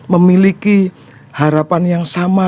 memiliki harapan yang sama